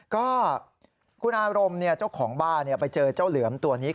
ก็คุณอารมณ์เจ้าของบ้านไปเจอเจ้าเหลือมตัวนี้